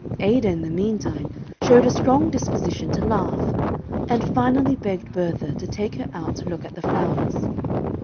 Ada, in the meantime, showed a strong disposition to laugh, and finally begged Bertha to take her out to look at the flowers.